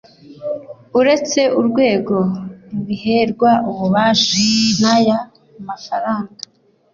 Uretse urwego rubiherwa ububasha n aya mafaranga